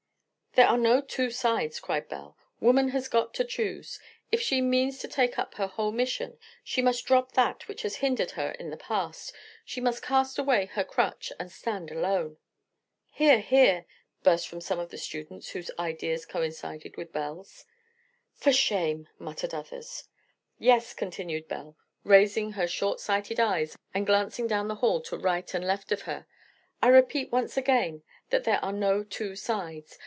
"There are no two sides," cried Belle. "Woman has got to choose. If she means to take up her whole mission, she must drop that which has hindered her in the past; she must cast away her crutch and stand alone." "Hear! hear!" burst from some of the students whose ideas coincided with Belle's. "For shame!" muttered others. "Yes," continued Belle, raising her short sighted eyes and glancing down the hall to right and left of her. "I repeat once again that there are no two sides.